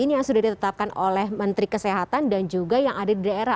ini yang sudah ditetapkan oleh menteri kesehatan dan juga yang ada di daerah